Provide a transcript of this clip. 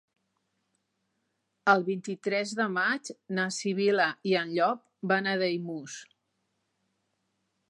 El vint-i-tres de maig na Sibil·la i en Llop van a Daimús.